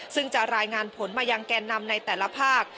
ซึ่งจะรายงานผลมายังแก่นำในแต่ละภาค